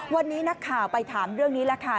วันนี้นักข่าวไปถามเรื่องนี้แหละค่ะ